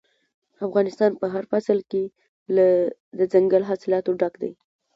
افغانستان په هر فصل کې له دځنګل حاصلاتو ډک دی.